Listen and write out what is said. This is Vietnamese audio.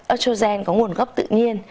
oetrogen có nguồn gốc tự nhiên